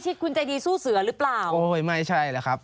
คุณวิชิตคุณใจดีสู้เสือหรือเปล่าโอ้ยว่าไม่ใช่แหละครับ